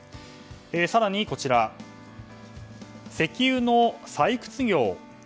更に、石油の採掘業。